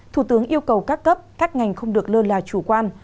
thủ tướng yêu cầu các cấp các ngành không được lơ là chủ quan